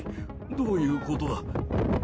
どういうことだ。